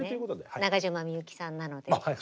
中島みゆきさんなので。